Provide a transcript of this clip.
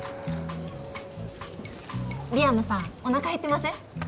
リアムさんおなか減ってません？